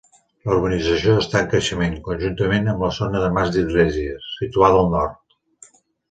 La urbanització està en creixement, conjuntament amb la zona del Mas d'Iglésies, situada al nord.